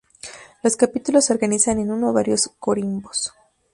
Los Capítulos se organizan en uno a varios corimbos.